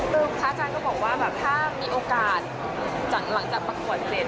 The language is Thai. คือพระอาจารย์ก็บอกว่าแบบถ้ามีโอกาสหลังจากประกวดเสร็จ